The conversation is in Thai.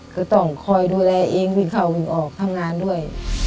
ก็ต้องคอยดูแลเองวิ่งเข้าวิ่งออกทำงานด้วย